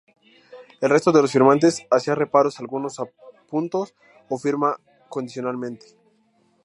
El resto de los firmantes hacía reparos a algunos puntos o firmaba condicionalmente.